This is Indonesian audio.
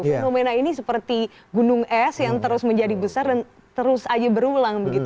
fenomena ini seperti gunung es yang terus menjadi besar dan terus aja berulang begitu